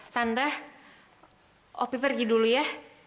tanda opi pergi dulu ya